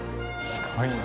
すごいな。